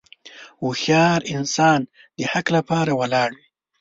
هوښیار انسان د حق لپاره ولاړ وي.